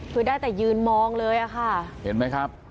คือได้แต่ยืนมองเลยอะค่ะเห็นไหมครับ